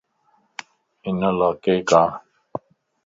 ھن لاڪيڪ آڻ